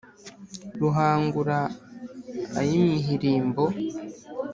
ruhangura ay' imihirimbo